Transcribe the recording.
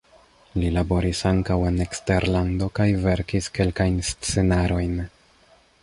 Li laboris ankaŭ en eksterlando kaj verkis kelkajn scenarojn.